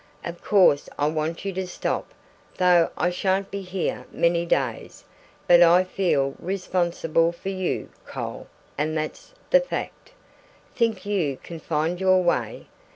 "Of course I want you to stop, though I shan't be here many days; but I feel responsible for you, Cole, and that's the fact. Think you can find your way?"